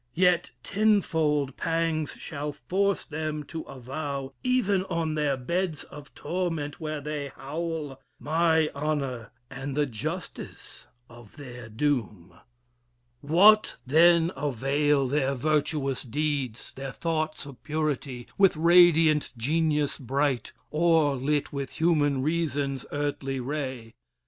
Yet tenfold pangs shall force them to avow, Even on their beds of torment, where they howl, My honor, and the justice of their doom. What then avail their virtuous deeds, their thoughts Of purity, with radiant genius bright, Or lit with human reason's earthly ray?